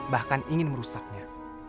bahkan ingin merusaknya